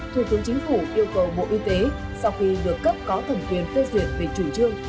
thủ tướng chính phủ yêu cầu bộ y tế sau khi được cấp có thẩm quyền phê duyệt về chủ trương